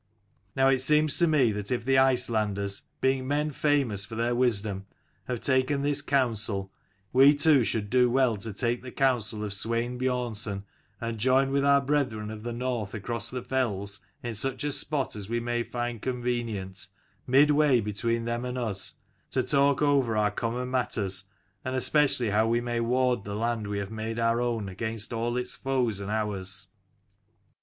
Now it seems to me that if the Icelanders, being men famous for their wisdom, have taken this counsel, we too should do well to take the counsel of Swein Biornson, and join with our brethren of the north across the fells in such a spot as we may find convenient, mid way between them and us ; to talk over our common matters, and especially how we may ward the land we have made our own, against all its foes and ours."